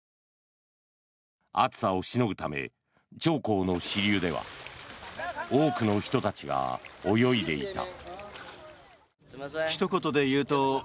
暑さをしのぐため長江の支流では多くの人たちが泳いでいた。